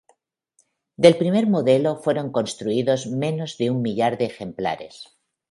Del primer modelo fueron construidos menos de un millar de ejemplares.